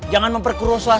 jangan memperkuruh suasana tuh